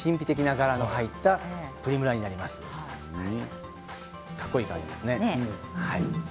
かっこいい感じですね。